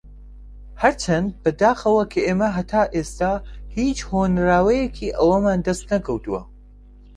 ھەرچەندە بەداخەوە کە ئێمە ھەتا ئێستا ھیچ ھۆنراوەیەکی ئەومان دەست نەکەوتووە